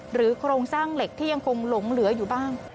โครงสร้างเหล็กที่ยังคงหลงเหลืออยู่บ้าง